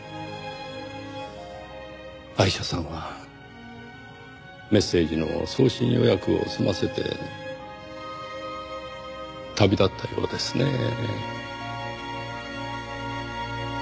アイシャさんはメッセージの送信予約を済ませて旅立ったようですねぇ。